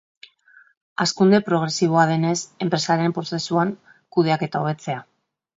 Hazkunde progresiboa denez, enpresaren prozesuan kudeaketa hobetzea.